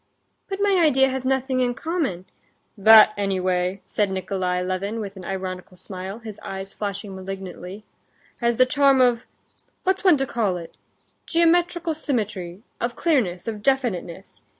"But my idea has nothing in common...." "That, anyway," said Nikolay Levin, with an ironical smile, his eyes flashing malignantly, "has the charm of—what's one to call it?—geometrical symmetry, of clearness, of definiteness.